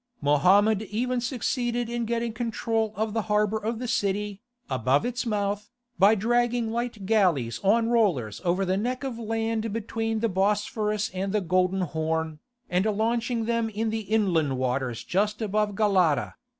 Mohammed even succeeded in getting control of the harbour of the city, above its mouth, by dragging light galleys on rollers over the neck of land between the Bosphorus and the Golden Horn, and launching them in the inland waters just above Galata.